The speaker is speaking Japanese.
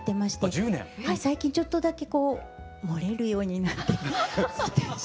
最近ちょっとだけこう漏れるようになってきて。